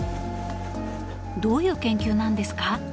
どういう研究なんですか？